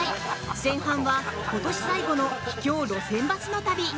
前半は、今年最後の秘境路線バスの旅。